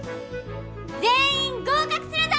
全員合格するぞ！